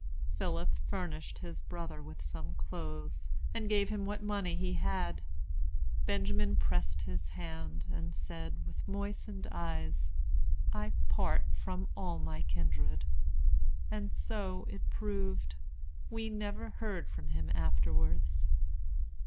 Philip furnished his brother with some clothes, and gave him what money he had. Benjamin pressed his hand, and said, with moistened eyes, "I part from all my kindred." And so it proved. We never heard from him afterwards.